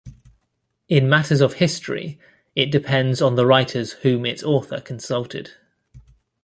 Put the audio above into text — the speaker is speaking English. In matters of history, it depends on the writers whom its author consulted.